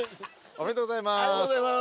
ありがとうございます。